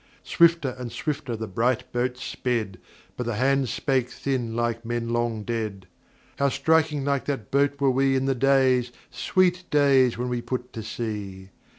Swifter and swifter the bright boat sped, But the hands spake thin like men long dead "How striking like that boat were we In the days, sweet days, when we put to sea.